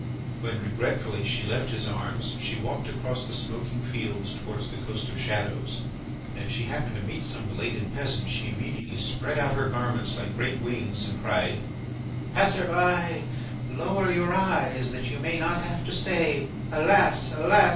When regretfully she left his arms she walked across the smoking fields towards the Coast of Shadows, and if she happened to meet some belated peasant she immediately spread out her garments like great wings and cried: "Passer by, lower your eyes, that you may not have to say, 'Alas! alas!